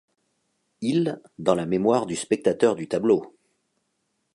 Il dans la mémoire du spectateur du tableau.